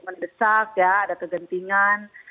mendesak ya ada kegentingan